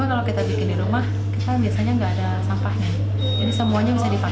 tapi kalau kita bikin di rumah kita biasanya nggak ada sampahnya